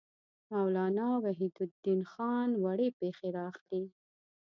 مولانا وحیدالدین خان وړې پېښې را اخلي.